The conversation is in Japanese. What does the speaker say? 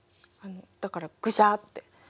だからグシャッて。